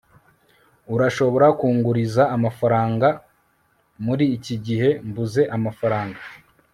urashobora kunguriza amafaranga? muri iki gihe mbuze amafaranga